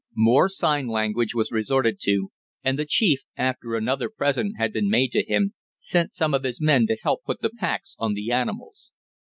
More sign language was resorted to, and the chief, after another present had been made to him, sent some of his men to help put the packs on the animals.